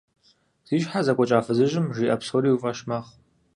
Зи щхьэ зэкӀуэкӀа фызыжьым жиӀэ псори уи фӀэщ мэхъу.